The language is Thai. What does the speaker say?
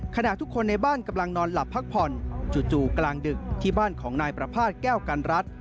ขณะทุกคนในบ้านกำลังนอนหลับพักผ่อนจู่กลางดึกที่บ้านของนายประภาษณ์แก้วกันรัฐ